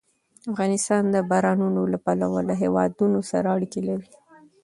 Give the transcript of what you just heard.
افغانستان د بارانونو له پلوه له هېوادونو سره اړیکې لري.